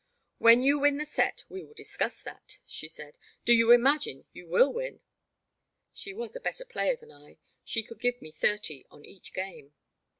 "When you win the set we will discuss that,'* she said. Do you imagine you will win ?" She was a better player than I ; she could give me thirty on each game.